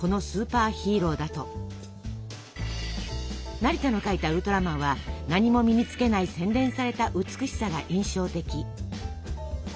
成田の描いたウルトラマンは何も身につけない洗練された美しさが印象的。